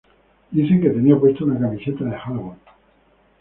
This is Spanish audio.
Dicen que tenía puesta una camiseta de Helloween.